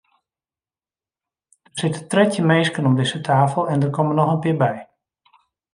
Der sitte trettjin minsken om dizze tafel en der komme noch in pear by.